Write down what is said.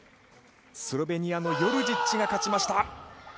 スロベニアのヨルジッチが勝ちました。